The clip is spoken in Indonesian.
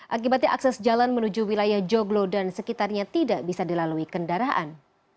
akibatnya akses jalan menuju wilayah joglo dan sekitarnya tidak bisa dilalui kendaraan